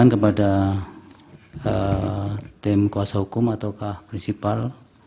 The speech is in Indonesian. kepada tim kuasa hukum ataukah prinsipal